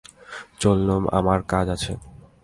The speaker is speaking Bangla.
চললুম, আমার কাজ আছে।